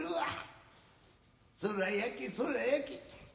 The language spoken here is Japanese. そら焼けそら焼け。